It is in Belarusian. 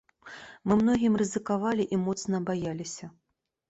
Мы многім рызыкавалі і моцна баяліся.